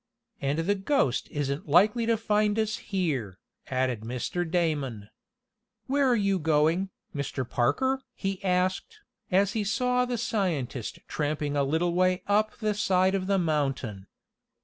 "And the ghost isn't likely to find us here," added Mr. Damon. "Where are you going, Mr. Parker?" he asked, as he saw the scientist tramping a little way up the side of the mountain.